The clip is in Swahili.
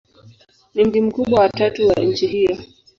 Ni mji mkubwa wa tatu wa nchi hiyo.